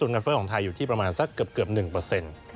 เฟอร์ของไทยอยู่ที่ประมาณสักเกือบ๑เปอร์เซ็นต์